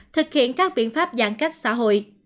thực hiện các biện pháp giãn cách xã hội